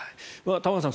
玉川さん